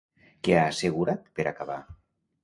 Què ha assegurat, per acabar?